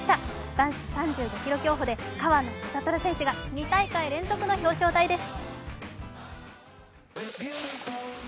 男子３５ｋｍ競歩で川野将虎選手が２大会連続の表彰台です。